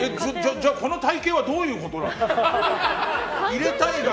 じゃあこの体形はどういうことなの？